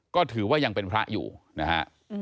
ก็ถือว่ายังเป็นพระอยู่นะฮะ